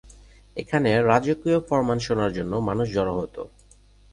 এখানে রাজকীয় ফরমান শোনার জন্য মানুষ জড়ো হত।